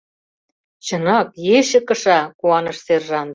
— Чынак, ече кыша! — куаныш сержант.